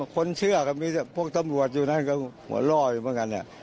คนเชื่อก็มีพวกตำรวจอยู่นั่นก็หัวล่ออยู่เหมือนกันเนี่ย